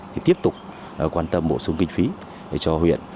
thì tiếp tục quan tâm bổ sung kinh phí cho huyện